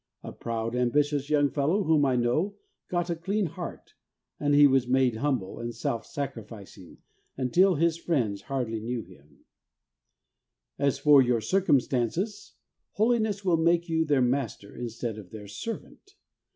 A proud, ambitious young fellow whom I know got a clean heart, and he was made humble and self sacrificing, until his friends hardly knew him. 20 THE WAY OF HOLINESS As for your circumstances, Holiness will make you their master instead of their servant.